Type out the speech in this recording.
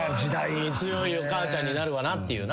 強いお母ちゃんになるわなっていうな。